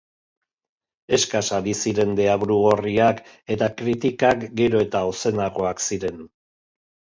Eskas ari ziren deabru gorriak eta kritikak gero eta ozenagoak ziren.